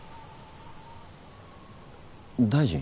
大臣？